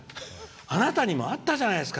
あなたにもあったじゃないですか。